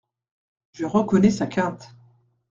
Je reconnais sa quinte.